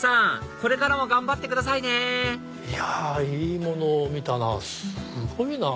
これからも頑張ってくださいねいいものを見たなぁすごいなぁ。